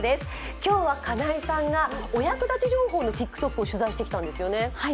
今日は金井さんがお役立ち情報のＴｉｋＴｏｋを取材してきたんですよね。